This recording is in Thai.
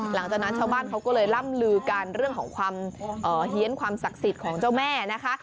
หลังจากนั้นชาวบ้านเขาก็เลยล่ำลือกันเรื่องของความเฮียนความศักดิ์สิทธิ์ของเจ้าแม่นะคะ